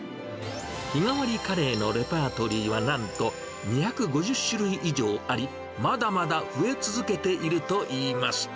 日替わりカレーのレパートリーは、なんと２５０種類以上あり、まだまだ増え続けているといいます。